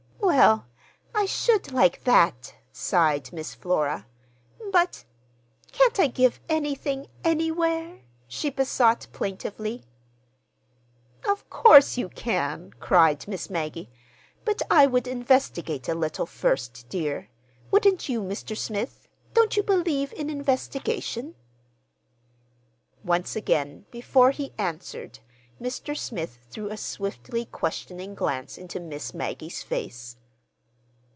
"Well, I should like that," sighed Miss Flora. "But—can't I give anything anywhere?" she besought plaintively. "Of course you can!" cried Miss Maggie. "But I would investigate a little, first, dear. Wouldn't you, Mr. Smith? Don't you believe in investigation?" Once again, before he answered, Mr. Smith threw a swiftly questioning glance into Miss Maggie's face.